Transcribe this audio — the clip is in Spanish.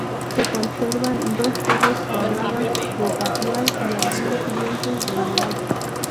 Se conservan dos torres cuadradas de tapial y algunos lienzos de muralla.